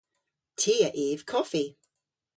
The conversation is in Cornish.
Ty a yv koffi.